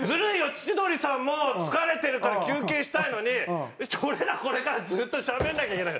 千鳥さんも疲れてるから休憩したいのに俺らこれからずっとしゃべんなきゃいけない。